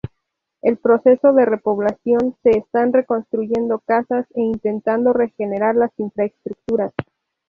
En proceso de repoblación, se están reconstruyendo casas e intentando regenerar las infraestructuras.